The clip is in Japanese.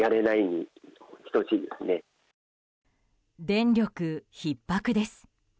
電力ひっ迫です。